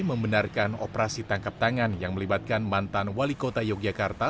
membenarkan operasi tangkap tangan yang melibatkan mantan wali kota yogyakarta